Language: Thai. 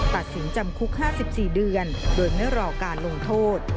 ตัดสินจำคุก๕๔เดือนโดยไม่รอการลงโทษ